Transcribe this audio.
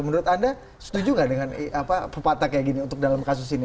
menurut anda setuju nggak dengan pepatah kayak gini untuk dalam kasus ini